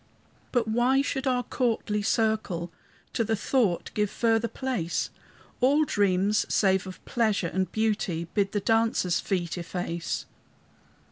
"But why should our courtly circle To the thought give further place? All dreams, save of pleasure and beauty, Bid the dancers' feet efface."